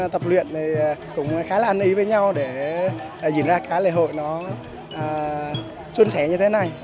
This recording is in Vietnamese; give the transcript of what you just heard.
tập luyện thì cũng khá là ăn ý với nhau để diễn ra cái lễ hội nó xuân xẻ như thế này